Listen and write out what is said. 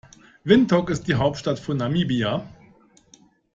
Windhoek ist die Hauptstadt von Namibia.